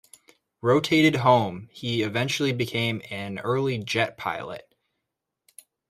Rotated home, he eventually became an early jet pilot.